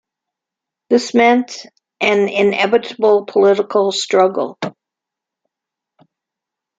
This meant an inevitable political struggle.